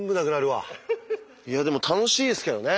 いやでも楽しいですけどね。